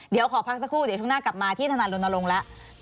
เดี๋ยวขอพักสักครู่เดี๋ยวช่วงหน้ากลับมาที่ทนายรณรงค์แล้ว